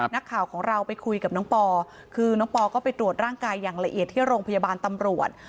นักข่าวของเราไปคุยกับน้องปอคือน้องปอก็ไปตรวจร่างกายอย่างละเอียดที่โรงพยาบาลตำรวจ